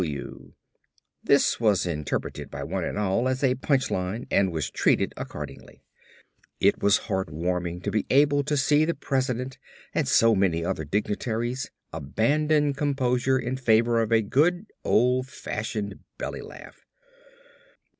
F.W." This was interpreted by one and all as a punch line and was treated accordingly. It was heartwarming to be able to see the president and so many other dignitaries abandon composure in favor of a good old fashioned belly laugh.